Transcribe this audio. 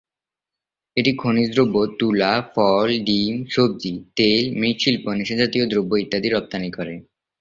এটি খনিজ দ্রব্য, তুলা, ফল, ডিম, সবজি তেল, মৃৎশিল্প, নেশাজাতীয় দ্রব্য ইত্যাদি রপ্তানি করে।